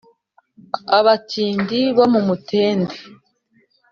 abatindi bo mu mutende